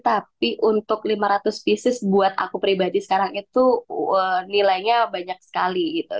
tapi untuk lima ratus pieces buat aku pribadi sekarang itu nilainya banyak sekali gitu